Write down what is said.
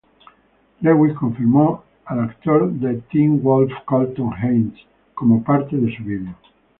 Lewis confirmó al actor de Teen Wolf Colton Haynes como parte de su video.